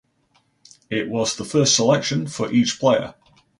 It was the first selection for each player.